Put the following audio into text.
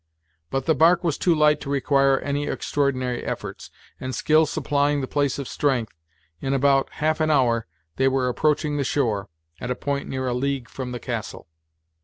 But the bark was too light to require any extraordinary efforts, and skill supplying the place of strength, in about half an hour they were approaching the shore, at a point near a league from the castle.